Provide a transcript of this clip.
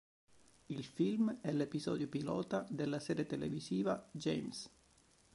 Il film è l'episodio pilota della serie televisiva "James".